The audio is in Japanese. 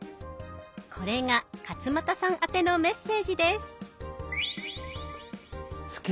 これが勝俣さんあてのメッセージです。